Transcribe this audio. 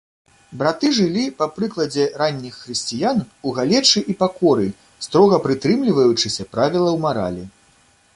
Браты жылі па прыкладзе ранніх хрысціян у галечы і пакоры, строга прытрымліваючыся правілаў маралі.